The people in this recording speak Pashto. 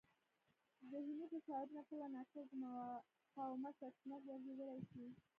ذهني فشارونه کله ناکله د مقاومت سرچینه ګرځېدای شي.